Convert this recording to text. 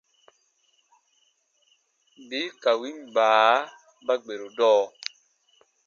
Bii ka win baa ba gberu dɔɔ.